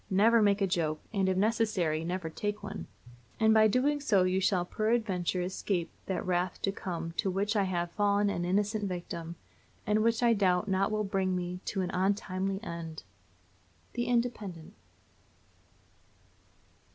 Never make a joke, and, if necessary, never take one; and by so doing you shall peradventure escape that wrath to come to which I have fallen an innocent victim, and which I doubt not will bring me to an untimely end. _The Independent.